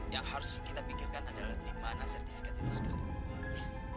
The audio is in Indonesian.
yang harus kita pikirkan adalah di mana sertifikat itu sudah mati